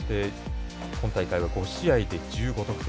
今大会は５試合で１５得点。